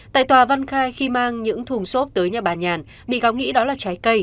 tại tòa văn khai khi mang những thùng xốp tới nhà bà nhàn bị cáo nghĩ đó là trái cây